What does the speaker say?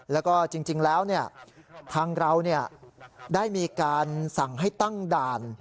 แล้วก็จริงแล้วทางเราได้มีการสั่งให้ตั้งด่าน